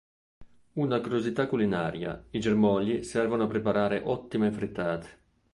Una curiosità culinaria: i germogli servono a preparare ottime frittate!